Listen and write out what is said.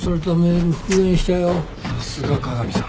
さすが加賀美さん。